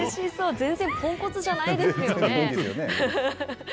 全然ぽんこつじゃないですよね。